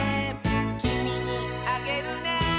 「きみにあげるね」